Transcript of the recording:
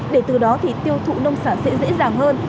để từ đó thì tiêu thụ nông sản sẽ dễ dàng hơn